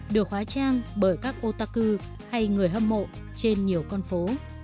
được hóa trang bởi các otaco hay người hâm mộ trên nhiều con phố